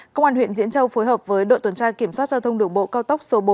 công an huyện diễn châu phối hợp với đội tuần tra kiểm soát giao thông đường bộ cao tốc số bốn